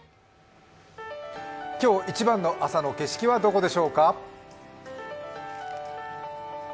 今日一番の朝の景色はどこでしょうか。